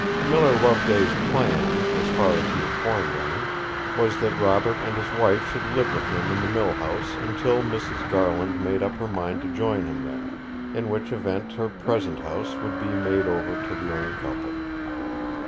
Miller Loveday's plan, as far as he had formed any, was that Robert and his wife should live with him in the millhouse until Mrs. Garland made up her mind to join him there; in which event her present house would be made over to the young couple.